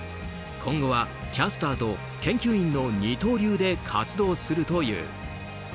今後はキャスターと研究員の二刀流で活動するという。